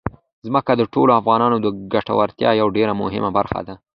ځمکه د ټولو افغانانو د ګټورتیا یوه ډېره مهمه برخه ده.